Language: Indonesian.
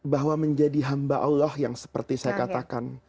bahwa menjadi hamba allah yang seperti saya katakan